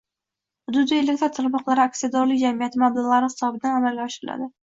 Hududiy elektr tarmoqlari aksiyadorlik jamiyati mablag‘lari hisobidan amalga oshiriladi.